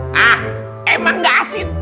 hah emang gak asin